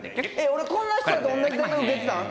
俺こんな人と同じ大学受けてたん？